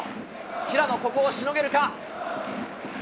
平野、ここをしのげるか？